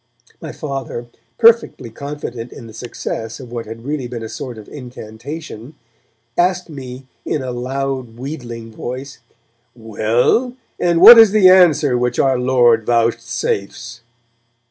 My Father, perfectly confident in the success of what had really been a sort of incantation, asked me in a loud wheedling voice, 'Well, and what is the answer which our Lord vouchsafes?'